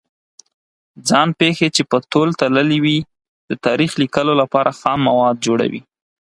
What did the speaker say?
ځان پېښې چې په تول تللې وي د تاریخ لیکلو لپاره خام مواد جوړوي.